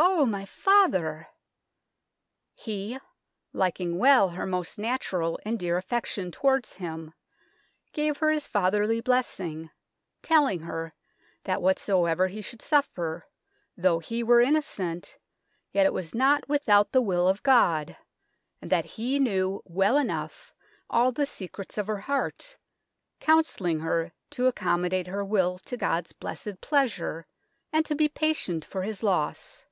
oh, my father !" He, liking well her most natural and dear affection towards him, gave her his fatherly bless ing ; telling her that whatsoever he should suffer, though he were innocent, yet it was not without the will of God ; and that he knew well enough all the secrets of her heart, counselling her to accommo date her will to God's blessed pleasure, and to be patient for his loss.